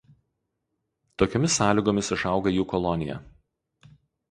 Tokiomis sąlygomis išauga jų kolonija.